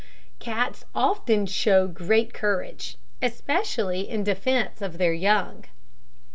Cats often show great courage, especially in defence of their young.